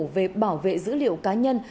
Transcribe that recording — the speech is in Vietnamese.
về bảo vệ dữ liệu cá nhân